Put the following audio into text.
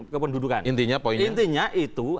kependudukan intinya poin intinya itu